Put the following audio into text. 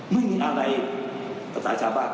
ไม่มีอะไรภาษาชาวบ้าน